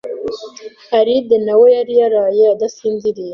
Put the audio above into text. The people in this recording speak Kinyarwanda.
Alide na we yari yaraye adasinziriye.